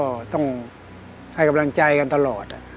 ก็ต้องให้กำลังใจกันตลอด